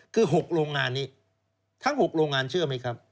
คือ๖โรงงานนี้ทั้ง๖โรงงานเชื่อไหมครับ